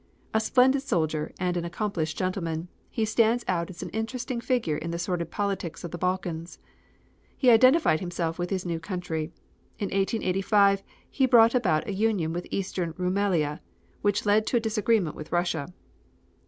A splendid soldier and an accomplished gentleman, he stands out as an interesting figure in the sordid politics of the Balkans. He identified himself with his new country. In 1885 he brought about a union with Eastern Rumelia, which led to a disagreement with Russia.